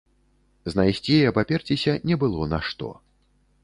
Знайсці і абаперціся не было на што.